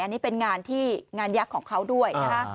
อันนี้เป็นงานที่งานยักษ์ของเขาด้วยนะคะ